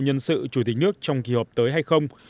nhân sự chủ tịch nước trong kỳ họp tới hay không